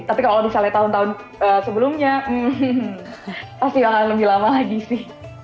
tapi kalau misalnya tahun tahun sebelumnya hmm pasti akan lebih lama lagi sih